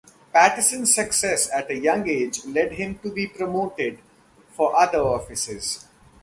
Pattison's success at a young age led him to be promoted for other offices.